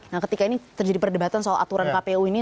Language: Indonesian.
nah ketika ini terjadi perdebatan soal aturan kpu ini